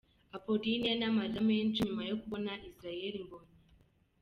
Apolline n'amarira menshi nyuma yo kubona Israel Mbonyi.